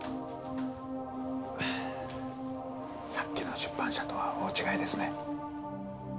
さっきの出版社とは大違いですね。